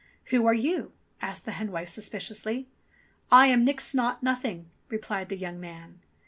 "Who are you ?" asked the hen wife suspiciously. "I am Nix Naught Nothing," replied the young man.